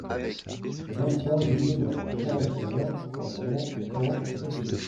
vingt-trois rue d'Audun, quarante et un, trois cent trente, Fossé